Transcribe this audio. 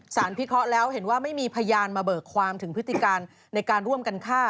พิเคราะห์แล้วเห็นว่าไม่มีพยานมาเบิกความถึงพฤติการในการร่วมกันฆ่า